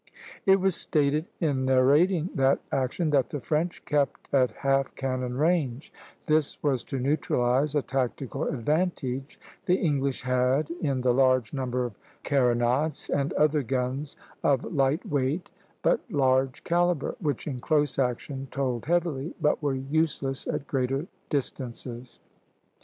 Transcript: It was stated, in narrating that action, that the French kept at half cannon range; this was to neutralize a tactical advantage the English had in the large number of carronades and other guns of light weight but large calibre, which in close action told heavily, but were useless at greater distances.